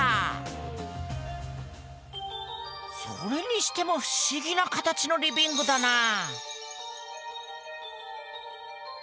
それにしても不思議な形のリビングだなあ。